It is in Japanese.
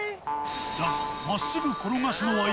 だが、まっすぐ転がすのは意